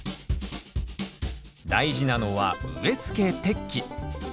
大事なのは植え付け適期。